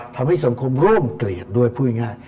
ทำให้สังคมร่วมเกรดด้วยผู้ยง่าย